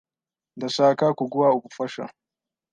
Ndashaka kuguha ubufasha.